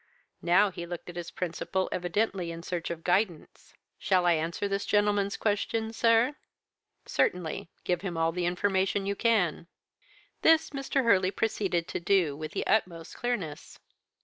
Now he looked at his principal evidently in search of guidance. "'Shall I answer this gentleman's question, sir?' "'Certainly. Give him all the information you can.' "This Mr. Hurley proceeded to do, with the utmost clearness.